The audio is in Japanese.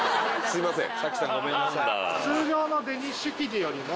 すいません。